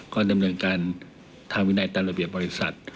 ก็ดำเนินการทางวินัยตามระเบียบบริษัท